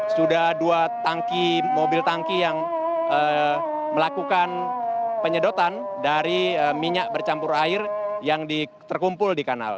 sudah dua tangki mobil tangki yang melakukan penyedotan dari minyak bercampur air yang terkumpul di kanal